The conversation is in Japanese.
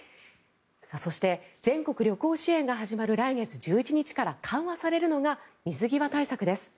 そして、全国旅行支援が始まる来月１１日から緩和されるのが水際対策です。